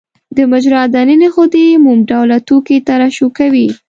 د مجرا د نني غدې موم ډوله توکي ترشح کوي.